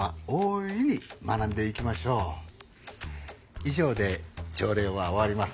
以上で朝礼は終わります。